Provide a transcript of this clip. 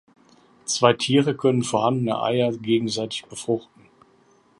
Zwei Tiere können vorhandene Eier gegenseitig befruchten.